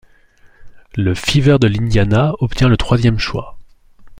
Le Fever de l'Indiana obtient le troisième choix.